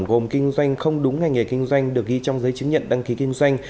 gồm kinh doanh không đúng ngành nghề kinh doanh được ghi trong giấy chứng nhận đăng ký kinh doanh